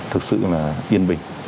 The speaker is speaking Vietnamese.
thực sự là yên bình